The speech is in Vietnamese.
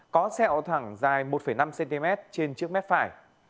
có sẹo thẳng dài một năm cm trên trước mép phải